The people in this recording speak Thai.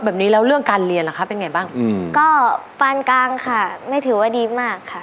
แบบนี้แล้วเรื่องการเรียนล่ะคะเป็นไงบ้างอืมก็ปานกลางค่ะไม่ถือว่าดีมากค่ะ